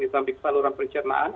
di samping saluran pencernaan